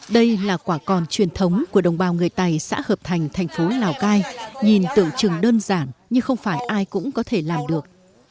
đây là quả còn truyền thống của đồng bào người tây xã hợp thành thành phố lào cai nhìn tưởng chừng đơn giản nhưng không phải ai cũng có thể làm được